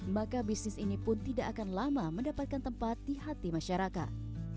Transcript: maka bisnis ini pun tidak akan lama mendapatkan tempat di hati masyarakat